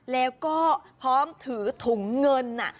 แล้วก็พร้อมถือถุงเงิน